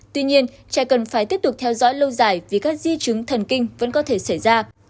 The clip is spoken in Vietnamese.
tuy nhiên trẻ cần phải tiếp tục theo dõi lâu dài vì các di chứng thần kinh vẫn có thể xảy ra